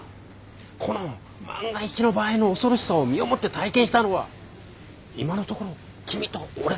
この万が一の場合の恐ろしさを身をもって体験したのは今のところ君と俺だけなんじゃないか。